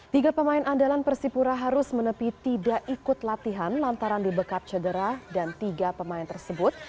tiga pemain andalan persipura harus menepi tidak ikut latihan lantaran dibekap cedera dan tiga pemain tersebut